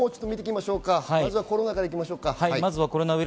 まずはコロナから行きましょう。